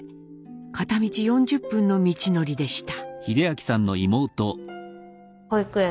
片道４０分の道のりでした。